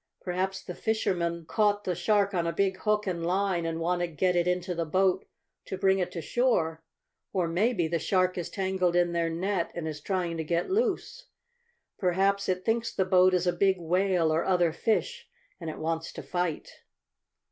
"Perhaps the fishermen caught the shark on a big hook and line, and want to get it into the boat to bring it to shore. Or maybe the shark is tangled in their net and is trying to get loose. Perhaps it thinks the boat is a big whale, or other fish, and it wants to fight."